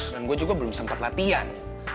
dan gue juga belum sempet latihan